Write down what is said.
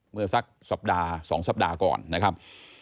เมื่อสักสัปดาห์๒สัปดาห์ก่อนนะครับ